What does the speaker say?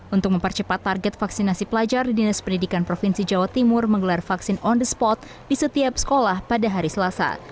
untuk mempercepat target vaksinasi pelajar di dinas pendidikan provinsi jawa timur menggelar vaksin on the spot di setiap sekolah pada hari selasa